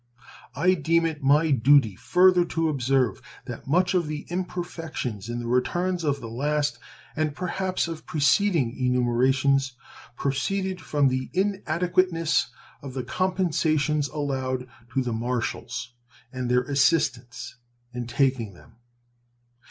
I deem it my duty further to observe that much of the imperfections in the returns of the last and perhaps of preceding enumerations proceeded from the inadequateness of the compensations allowed to the marshals and their assistants in taking them.